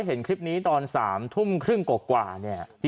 เป็นข้าเริ่งหัก